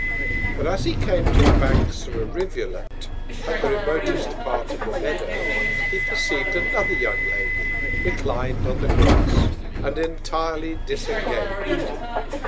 But as he came to the Banks of a Rivulet, at the remotest part of the Meadow, he perceiv'd another young Lady, reclin'd on the Grass, and entirely disengag'd.